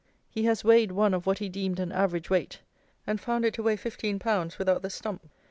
He has weighed one of what he deemed an average weight, and found it to weigh fifteen pounds without the stump.